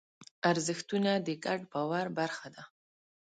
ارزښتونه د ګډ باور برخه ده.